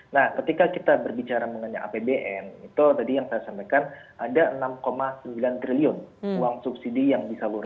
nah ketika kita berbicara mengenai apbn itu tadi yang saya sampaikan ada enam sembilan triliun uang subsidi yang disalurkan